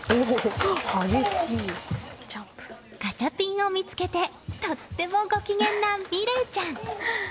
ガチャピンを見つけてとてもご機嫌な実鈴ちゃん。